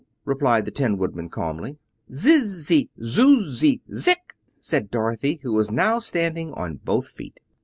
replied the Tin Woodman calmly. "Ziz zy, zuz zy, zik!" said Dorothy, who was now standing on both feet.